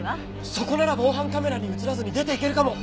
そこなら防犯カメラに映らずに出て行けるかも。